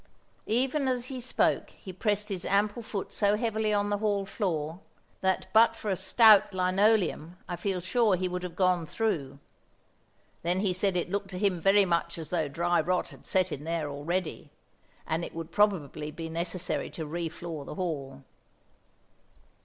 Even as he spoke he pressed his ample foot so heavily on the hall floor, that but for a stout linoleum I feel sure he would have gone through; then he said it looked to him very much as though dry rot had set in there already, and it would probably be necessary to re floor the hall.